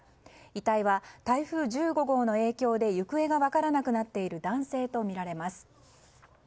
遺体は台風１５号の影響で行方が分からなくなっている男性とみられます。